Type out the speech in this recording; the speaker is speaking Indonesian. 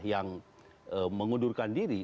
yang mengundurkan diri